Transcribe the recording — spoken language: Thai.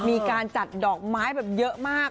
มีการจัดดอกไม้แบบเยอะมาก